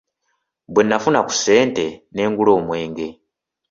Bwe nnafuna ku ssente ne ngula omwenge.